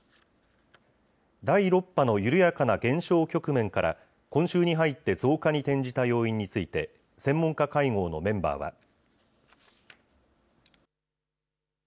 第６波の緩やかな減少局面から今週に入って増加に転じた要因について、専門家会合のメンバーは。